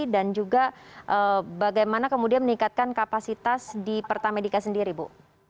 dan juga bagaimana kemudian meningkatkan kapasitas di pertamedika sendiri bu